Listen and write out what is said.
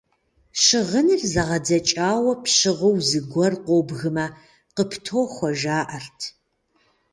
Щыгъыныр зэгъэдзэкӀауэ пщыгъыу зыгуэр къобгмэ, къыптохуэ, жаӀэрт.